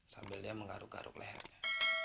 sambil dia mengaruk garuk lehernya